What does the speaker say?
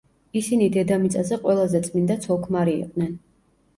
ისინი დედამიწაზე ყველაზე წმინდა ცოლ-ქმარი იყვნენ.